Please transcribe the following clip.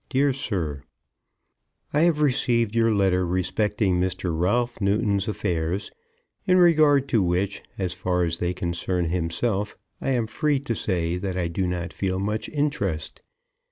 DEAR SIR, I have received your letter respecting Mr. Ralph Newton's affairs, in regard to which, as far as they concern himself, I am free to say that I do not feel much interest.